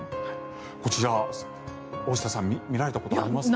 こちら、大下さん見られたことありますか？